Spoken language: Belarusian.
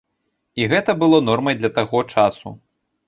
І гэта было нормай для таго часу.